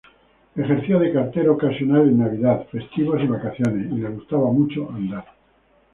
Ejercía de cartero ocasional en Navidad, festivos y vacaciones, y le gustaba mucho andar.